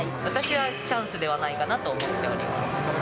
私はチャンスではないかなと思っております。